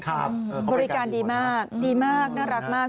บริการดีมากดีมากน่ารักมาก